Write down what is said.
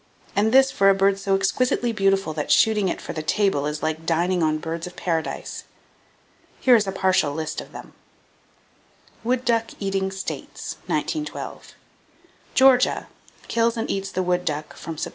And this for a bird so exquisitely beautiful that shooting it for the table is like dining on birds of paradise. Here is a partial list of them: Wood Duck Eating States (1912) Georgia kills and eats the Wood duck from Sept.